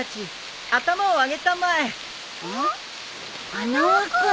花輪君！